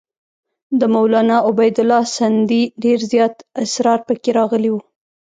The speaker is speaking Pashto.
د مولنا عبیدالله سندي ډېر زیات اسرار پکې راغلي وو.